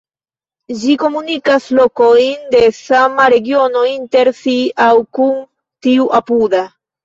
Ĝi komunikas lokojn de sama regiono inter si aŭ kun tiu apuda.